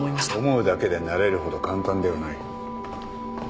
思うだけでなれるほど簡単ではない。